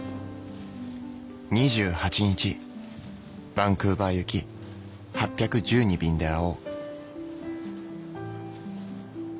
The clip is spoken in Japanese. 「２８日バンクーバー行き８１２便で会おう」